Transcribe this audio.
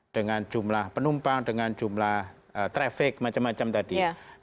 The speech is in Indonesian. dengan jumlah penumpang dengan jumlah traffic macam macam tadi